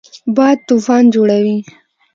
باد طوفان جوړوي